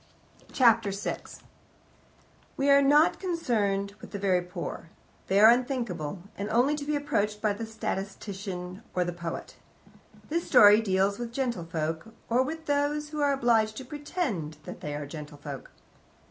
Chapter 6 We are not concerned with the very poor. They are unthinkable, and only to be approached by the statistician or the poet. This story deals with gentlefolk, or with those who are obliged to pretend that they are gentlefolk.